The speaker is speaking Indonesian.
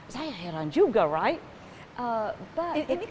saya heran juga bukan